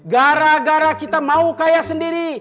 gara gara kita mau kaya sendiri